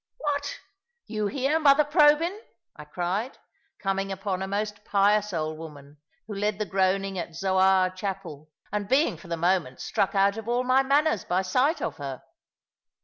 "What! you here, mother Probyn?" I cried, coming upon a most pious old woman, who led the groaning at Zoar Chapel, and being for the moment struck out of all my manners by sight of her.